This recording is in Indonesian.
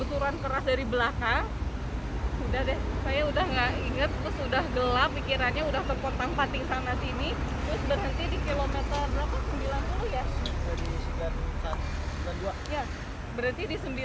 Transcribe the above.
untuk mencari penyelamat